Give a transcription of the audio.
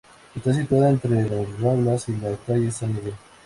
Está situada entre las Ramblas y la Calle San Miguel.